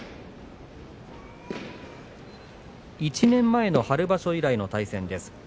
１年前の春場所以来の対戦です。